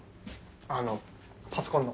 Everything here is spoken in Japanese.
あのパソコンの。